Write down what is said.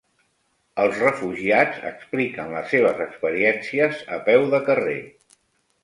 Els refugiats expliquen les seves experiències a peu de carrer.